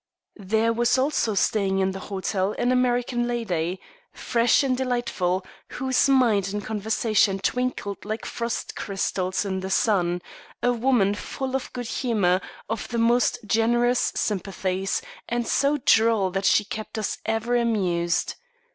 There was also staying in the hotel an American lady, fresh and delightful, whose mind and conversation twinkled like frost crystals in the sun, a woman full of good humour, of the most generous sympathies, and so droll that she kept us ever amused.